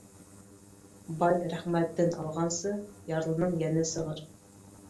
Бай рәхмәтен алғансы, ярлының йәне сығыр.